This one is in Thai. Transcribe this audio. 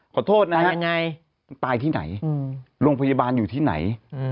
ขอโทษนะฮะยังไงตายที่ไหนโรงพยาบาลอยู่ที่ไหน